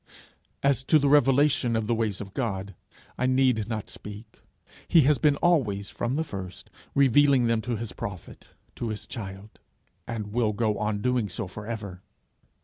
As to the revelation of the ways of God, I need not speak; he has been always, from the first, revealing them to his prophet, to his child, and will go on doing so for ever.